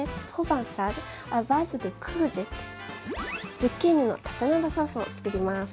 「ズッキーニのタプナードソース」をつくります。